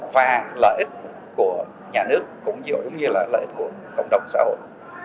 và lợi ích của các nhà đầu tư tư nhân